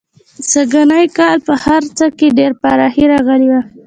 سږنی کال په هر څه کې ډېره پراخي راغلې وه.